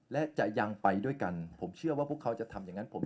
และจะยังไปด้วยกันผมเชื่อว่าพวกเขาจะทำอย่างนั้นผม